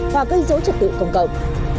và gây dối trật tự công cộng